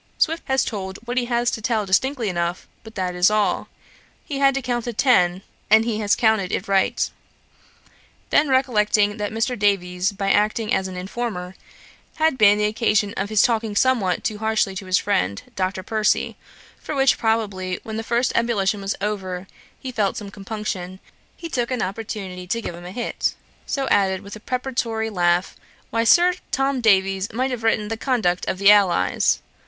Swift has told what he had to tell distinctly enough, but that is all. He had to count ten, and he has counted it right.' Then recollecting that Mr. Davies, by acting as an informer, had been the occasion of his talking somewhat too harshly to his friend Dr. Percy, for which, probably, when the first ebullition was over, he felt some compunction, he took an opportunity to give him a hit; so added, with a preparatory laugh, 'Why, Sir, Tom Davies might have written The Conduct of the Allies.'